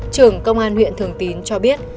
trường công an huyện thường tín cho biết